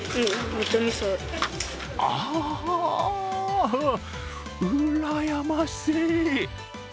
ああ、うらやましい。